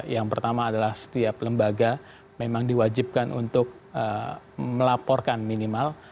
yang pertama adalah setiap lembaga memang diwajibkan untuk melaporkan minimal